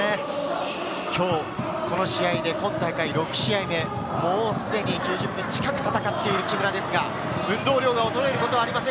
今日この試合で今大会６試合目、もうすでに９０分近く戦っている木村ですが、運動量が衰えることはありません。